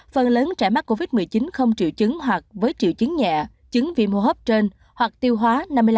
phần lớn trẻ mắc covid một mươi chín không triệu chứng hoặc với triệu chứng nhẹ chứng viêm hô hấp trên hoặc tiêu hóa năm mươi năm